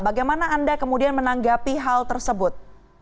bagaimana anda kemudian menanggapi hal tersebut